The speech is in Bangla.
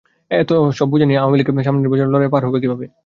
এত সব বোঝা নিয়ে আওয়ামী লীগ সামনের নির্বাচনের লড়াইয়ে কীভাবে পার পাবে?